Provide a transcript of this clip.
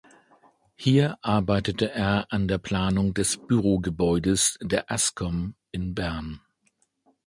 Hier arbeitete er an der Planung des Bürogebäudes der Ascom in Bern.